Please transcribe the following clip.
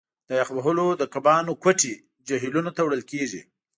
د یخ وهلو د کبانو کوټې جهیلونو ته وړل کیږي